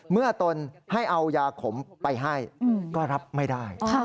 ตนให้เอายาขมไปให้ก็รับไม่ได้